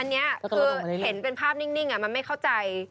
อันนี้คือเห็นเป็นภาพนิ่งมันไม่เข้าใจ